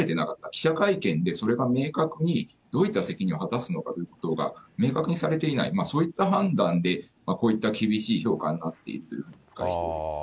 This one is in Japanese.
記者会見でそれが明確に、どういった責任を果たすのかというのが明確にされていない、そういった判断で、こういった厳しい評価になっているというふうに理解しております。